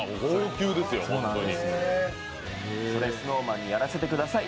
「それＳｎｏｗＭａｎにやらせて下さい」